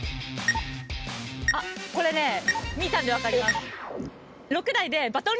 あこれね見たんで分かります。